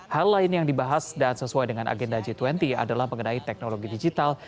hal lain yang dibahas dan sesuai dengan agenda g dua puluh adalah mengenai teknologi digital